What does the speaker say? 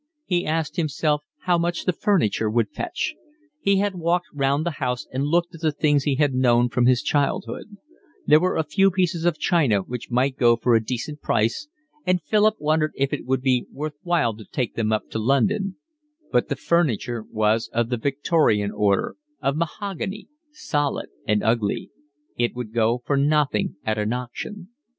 He asked himself how much the furniture would fetch. He had walked round the house and looked at the things he had known from his childhood; there were a few pieces of china which might go for a decent price and Philip wondered if it would be worth while to take them up to London; but the furniture was of the Victorian order, of mahogany, solid and ugly; it would go for nothing at an auction.